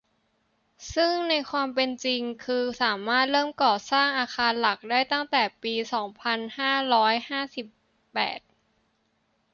ซึ่งในความเป็นจริงคือสามารถเริ่มก่อสร้างอาคารหลักได้ตั้งแต่ปี สองพันห้าร้อยห้าสิบแปด